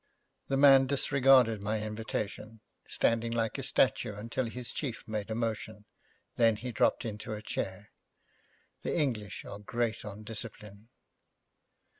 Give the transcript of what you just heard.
The man disregarded my invitation, standing like a statue until his chief made a motion; then he dropped into a chair. The English are great on discipline.